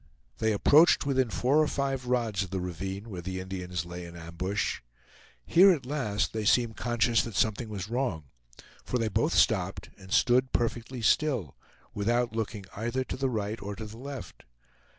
They approached within four or five rods of the ravine where the Indians lay in ambush. Here at last they seemed conscious that something was wrong, for they both stopped and stood perfectly still, without looking either to the right or to the left.